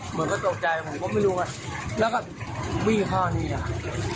เหมือนก็ตกใจผมก็ไม่รู้ว่าแล้วก็วิ่งท่อนี้แหละ